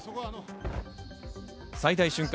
最大瞬間